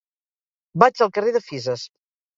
Vaig al carrer de Fisas.